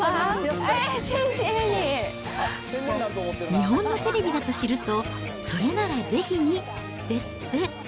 日本のテレビだと知ると、それならぜひに、ですって。